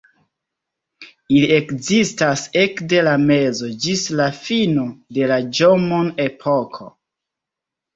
Ili ekzistas ekde la mezo ĝis la fino de la Ĵomon-epoko.